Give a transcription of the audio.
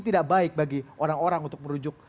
tidak baik bagi orang orang untuk merujuk